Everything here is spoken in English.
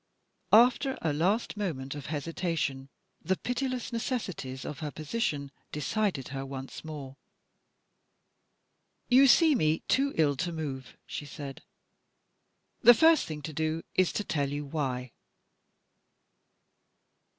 After a last moment of hesitation, the pitiless necessities of her position decided her once more. "You see me too ill to move," she said; "the first thing to do, is to tell you why."